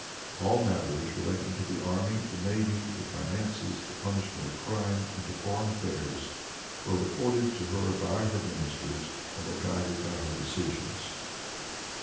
All matters relating to the army, the navy, the finances, the punishment of crime and to foreign affairs, were reported to her by her ministers, and were guided by her decisions.